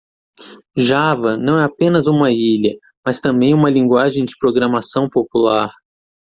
Java não é apenas uma ilha?, mas também uma linguagem de programação popular.